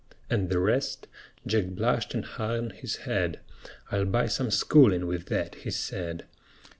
"And the rest?" Jack blushed and hung his head; "I'll buy some schoolin' with that," he said.